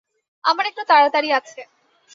আমার একটু তাড়াতাড়ি আছে।